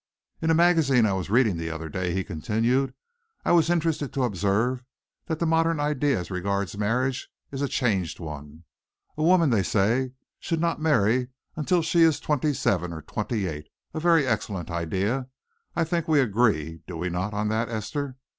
"In a magazine I was reading the other day," he continued, "I was interested to observe that the modern idea as regards marriage is a changed one. A woman, they say, should not marry until she is twenty seven or twenty eight a very excellent idea. I think we agree, do we not, on that, Esther?"